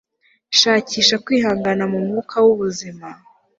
shakisha kwihangana mu mwuka w'ubuzima